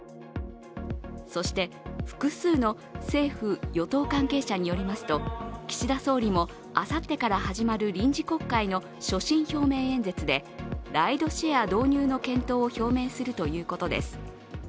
そして複数の政府・与党関係者によりますと、岸田総理もあさってから始まる臨時国会の所信表明演説でライドシェア導入の検討を表明するということです。